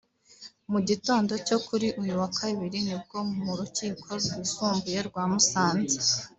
Mu gitondo cyo kuri uyu wa Kabiri nibwo mu Rukiko rwisumbuye rwa Musanze